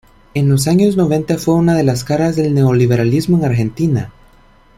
En los años noventa fue una de las caras del neoliberalismo en Argentina.